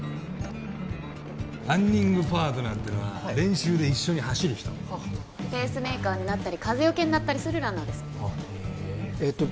ランニングパートナーっていうのは練習で一緒に走る人ペースメーカーになったり風よけになったりするランナーですへええっと